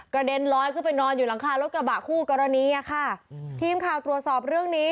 เด็นลอยขึ้นไปนอนอยู่หลังคารถกระบะคู่กรณีอ่ะค่ะทีมข่าวตรวจสอบเรื่องนี้